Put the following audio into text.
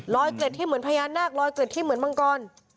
เกล็ดที่เหมือนพญานาคลอยเกร็ดที่เหมือนมังกร